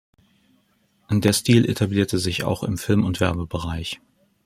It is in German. Der Stil etablierte sich auch im Film- und Werbebereich.